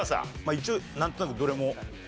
一応なんとなくどれも。